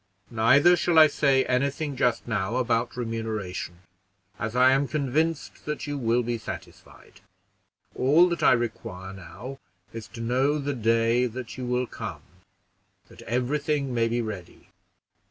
Neither shall I say any thing just now about remuneration, as I am convinced that you will be satisfied. All that I require now is, to know the day that you will come, that every thing may be ready."